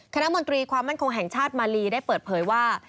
มนตรีความมั่นคงแห่งชาติมาลีได้เปิดเผยว่า